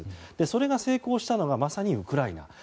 それが成功したのがまさにウクライナ。